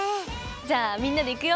じゃあみんなでいくよ。